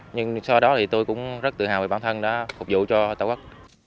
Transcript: nhưng sau đó thì tôi cũng rất tự hào về bản thân đã phục vụ cho tàu bắc